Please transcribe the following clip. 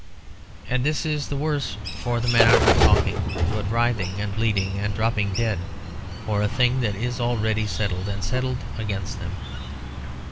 And this is worse, for the men are not talking, but writhing and bleeding and dropping dead for a thing that is already settled and settled against them.